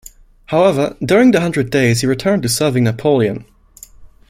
However, during the Hundred Days he returned to serving Napoleon.